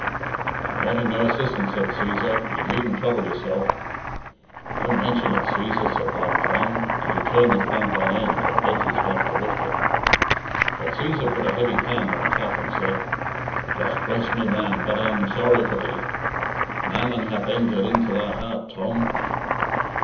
"I'm wanting no assistance," said Cæsar; "you needn't trouble yourself." "Don't mention it, Cæsar," said Black Tom, and he turned the trunk on end and bent his back to lift it. But Cæsar put a heavy hand on top and said, "Gough bless me, man, but I am sorry for thee. Mammon hath entered into thy heart, Tom."